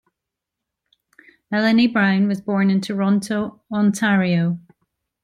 Melleny Brown was born in Toronto, Ontario.